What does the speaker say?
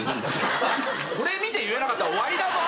これ見て言えなかったら終わりだぞ。